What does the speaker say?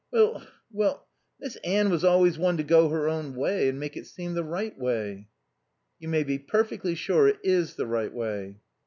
"Well well, Miss Anne was always one to go her own way and make it seem the right way." "You may be perfectly sure it is the right way."